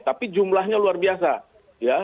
tapi jumlahnya luar biasa ya